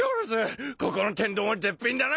ここの天丼は絶品だな！